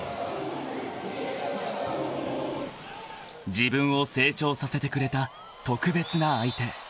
［自分を成長させてくれた特別な相手］